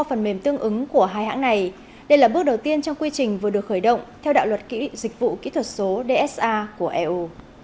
phần mềm tương ứng của hai hãng này đây là bước đầu tiên trong quy trình vừa được khởi động theo đạo luật dịch vụ kỹ thuật số dsa của eu